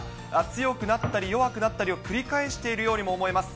強くなったり弱くなったりを繰り返しているようにも思えます。